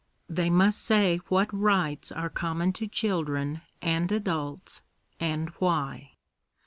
They must say what rights are ! common to children and adults, and why.